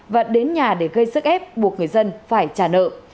và đến nhà để gây sức ép buộc người dân phải trả nợ